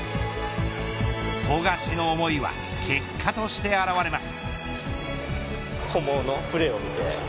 富樫の思いは結果として表れます。